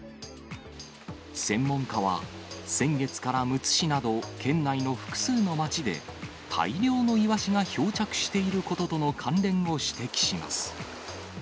専門家は、先月からむつ市など、県内の複数の町で、大量のイワシが漂着していることとの関連を指摘します。